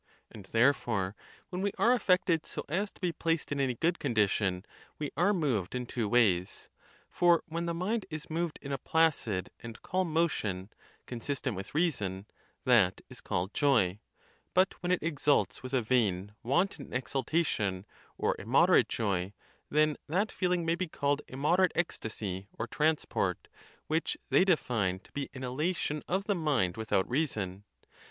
And, therefore, when we are affect ed so as to be placed in any good condition, we are moved in two ways; for when the mind is moved in a placid and calm motion, consistent with reason, that is called joy; but when it exults with a vain, wanton exultation, or im moderate joy, then that feeling may be called immoderate ecstasy or transport, which they define to be an elation of the mind without reason.